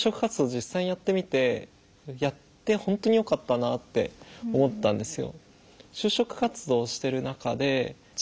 実際やってみてやって本当によかったなって思ったんですよ。